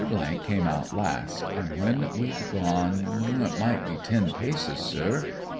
come out last, an' when we'd gone it might be ten paces, sir.